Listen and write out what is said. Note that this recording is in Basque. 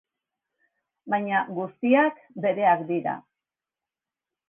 Baina guztiak bereak dira.